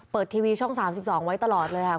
ทีวีช่อง๓๒ไว้ตลอดเลยค่ะ